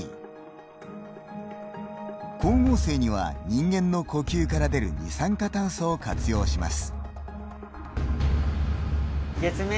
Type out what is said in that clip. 光合成には人間の呼吸から出る二酸化炭素を活用します。